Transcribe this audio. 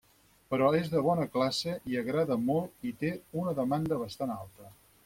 Però és de bona classe i agrada molt i té una demanda bastant alta.